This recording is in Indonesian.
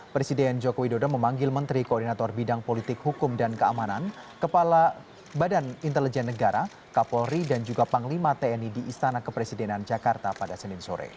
presiden joko widodo memanggil menteri koordinator bidang politik hukum dan keamanan kepala badan intelijen negara kapolri dan juga panglima tni di istana kepresidenan jakarta pada senin sore